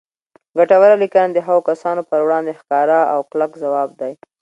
ګټوره لیکنه د هغو کسانو پر وړاندې ښکاره او کلک ځواب دی